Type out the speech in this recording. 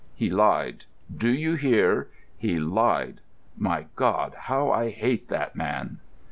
"He lied. Do you hear, he lied. My God, how I hate that man!"